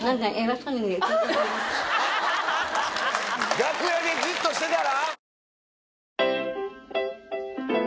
楽屋でじっとしてたら！